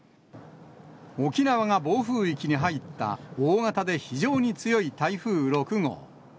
沖縄が暴風域に入った大型で非常に強い台風６号。